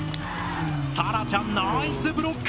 さらちゃんナイスブロック！